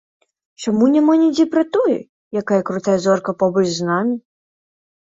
Чаму няма нідзе пра тое, якая крутая зорка побач з намі?